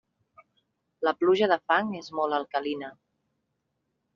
La pluja de fang és molt alcalina.